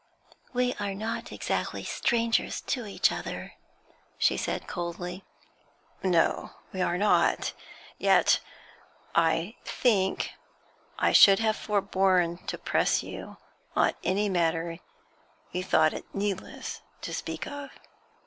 'We are not exactly strangers to each other,' she said, coldly. 'No, we are not; yet I think I should have forborne to press you on any matter you thought it needless to speak of.'